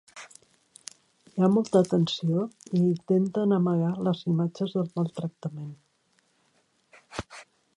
Hi ha molta tensió i intenten amagar les imatges de maltractament.